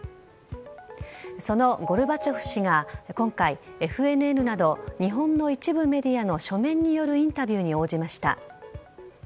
そのゴルバチョフ氏が、今回ＦＮＮなど日本の一部メディアの書面によるインタビューに応じました。